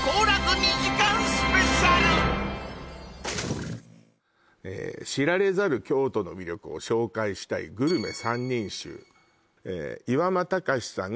これえ知られざる京都の魅力を紹介したいグルメ三人衆岩間孝志さん